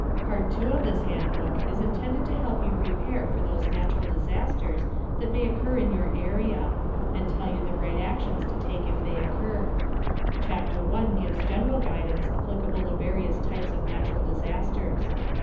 Part II of this handbook (pages 69 86) is intended to help you prepare for those natural disasters that may occur in your area, and tell you the right actions to take if they occur. Chapter 1 (pages 71 74) gives general guidance applicable to various types of natural disasters.